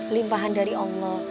limpahan dari allah